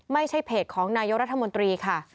ไม่ใช่เพจของนายกรัฐมนตรีค่ะ